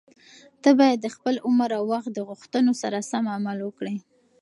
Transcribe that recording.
ته باید د خپل عمر او وخت د غوښتنو سره سم عمل وکړې.